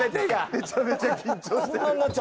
めちゃめちゃ緊張してる。